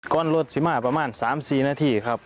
รถสิมาประมาณ๓๔นาทีครับ